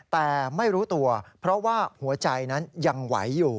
แต่ไม่รู้ตัวเพราะว่าหัวใจนั้นยังไหวอยู่